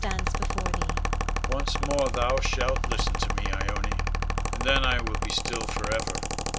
Once more thou shalt listen to me, Ione, and then I will be still forever.